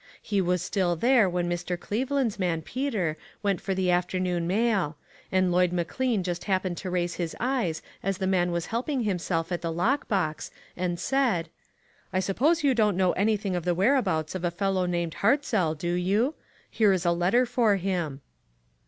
He was still there when Mr. Cleveland's man Peter went for the afternoon mail, and Lloyd McLean just hap pened to raise his eyes as the man was helping himself at the lock box, and said: "I suppose you don't know anything of the whereabouts of a fellow named Hartzell, do you? Here is a letter for him."